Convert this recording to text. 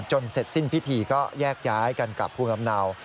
เสร็จสิ้นพิธีก็แยกย้ายกันกลับภูมิลำเนา